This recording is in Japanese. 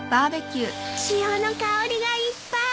潮の香りがいっぱい。